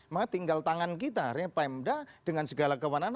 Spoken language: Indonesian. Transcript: maka tinggal tangan kita pak mda dengan segala kewanan